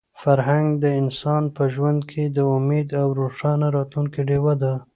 فرهنګ د انسان په ژوند کې د امید او د روښانه راتلونکي ډیوه ده.